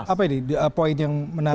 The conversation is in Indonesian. apa ini poin yang menarik